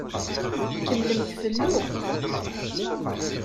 Kemmlemt fellu.